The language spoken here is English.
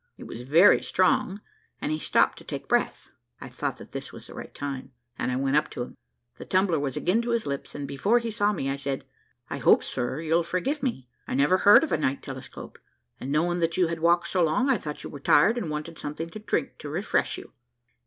It was very strong, and he stopped to take breath. I thought that this was the right time, and I went up to him. The tumbler was again to his lips, and before he saw me, I said, "I hope sir, you'll forgive me; I never heard of a night telescope, and knowing that you had walked so long, I thought you were tired, and wanted something to drink to refresh you."